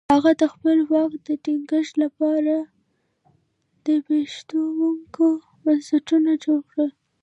هغه د خپل واک د ټینګښت لپاره زبېښونکي بنسټونه جوړ کړل.